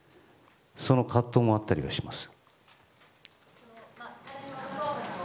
その葛藤もあったりします。